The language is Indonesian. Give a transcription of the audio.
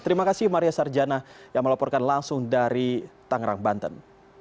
terima kasih maria sarjana yang melaporkan langsung dari tangerang banten